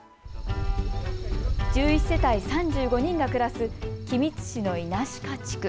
１１世帯３５人が暮らす君津市の稲鹿地区。